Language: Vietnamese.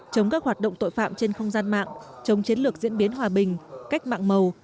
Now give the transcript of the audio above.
chống các hoạt động tội phạm trên không gian mạng chống chiến lược diễn biến hòa bình cách mạng màu